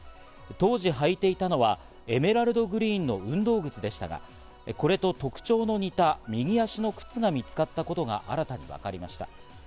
当時履いていたのはエメラルドグリーンの運動靴でしたがこれと特徴の似た右足の靴が見つかったことが新たに分かりました。